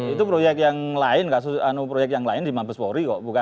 itu proyek yang lain kasus proyek yang lain di mabespori kok